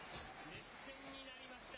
熱戦になりました。